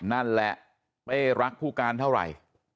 นั่นแหละเป้รักผู้การเท่าไหร่